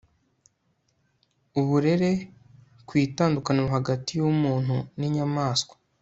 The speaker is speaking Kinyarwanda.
uburere ku itandukaniro hagati y umuntu n inyamaswa